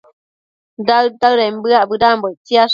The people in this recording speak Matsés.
daëd-daëden bëac bedambo ictsiash